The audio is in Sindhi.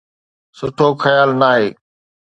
سٺو خيال ناهي.